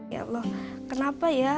ya allah kenapa ya